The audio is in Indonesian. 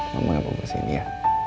mama gak mau kesini ya